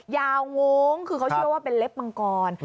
วงคือเขาเชื่อว่าเป็นเล็บมังกร